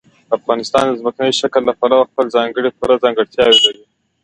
افغانستان د ځمکني شکل له پلوه خپله ځانګړې او پوره ځانګړتیا لري.